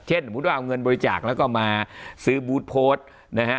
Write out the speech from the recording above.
สมมุติว่าเอาเงินบริจาคแล้วก็มาซื้อบูธโพสต์นะฮะ